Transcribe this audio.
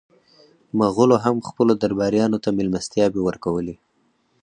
مغولو هم خپلو درباریانو ته مېلمستیاوې ورکولې.